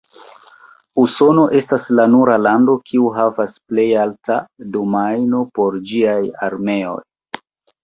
Usono estas la nura lando kiu havas plejalta domajno por ĝiaj armeoj.